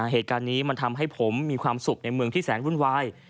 เหตุการณ์นี้มันทำให้ผมมีความสุขในเมืองที่แสนวุ่นวาย